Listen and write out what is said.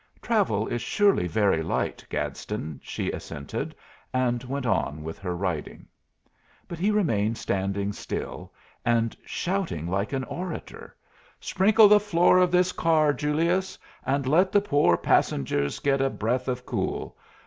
"Travel is surely very light, Gadsden," she assented, and went on with her writing. But he remained standing still, and shouting like an orator: "Sprinkle the floor of this car, Julius, and let the pore passengers get a breath of cool.